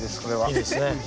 いいですね。